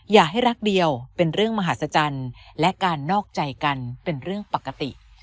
อย่าให้รักเดียวเป็นเรื่องมหาศจรรย์และการนอกใจกันเป็นเรื่องปกติ